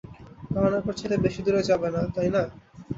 ধারণা করছি এটা বেশি দূর যাবে না, তাই না?